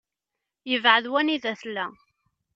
Yebεed wanida tella.